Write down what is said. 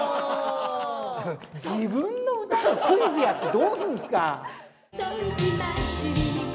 自分の歌でクイズやってどうするんですか！